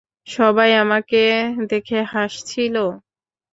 সবাই আমাকে দেখে হাসছিল।